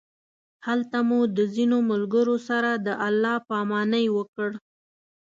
هلته مو د ځینو ملګرو سره د الله پامانۍ وکړ.